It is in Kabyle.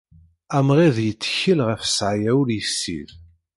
Amɣid yettkel ɣef sɛaya ur yeksib.